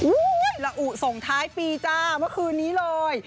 ระอุส่งท้ายปีจ้าเมื่อคืนนี้เลย